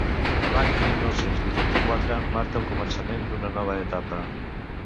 L'any mil nou-cents vuitanta-quatre marca el començament d'una nova etapa.